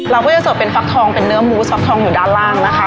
เราก็จะเสิร์ฟเป็นฟักทองเป็นเนื้อหมูฟักทองอยู่ด้านล่างนะคะ